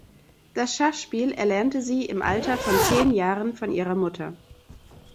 Das Schachspiel erlernte sie im Alter von zehn Jahren von ihrer Mutter.